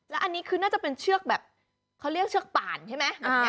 แล้วอันนี้คือน่าจะเป็นเชือกแบบเขาเรียกเชือกป่านใช่ไหม